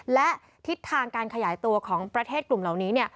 และทิศทางการขยายตัวของประเทศกลุ่มเหล่านี้